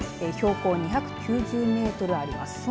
標高２９０メートルあります。